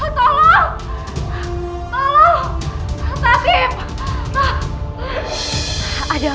aku boleh ikut